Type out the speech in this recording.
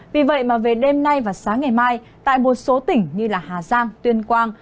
vì vậy mà về đêm nay và sáng ngày mai tại một số tỉnh như hà giang tuyên quang